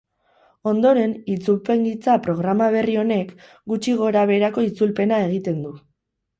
Ondoren, itzulpengintza programa berri honek, gutxi gorabeherako itzulpena egiten du.